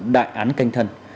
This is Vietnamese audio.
đại án canh thân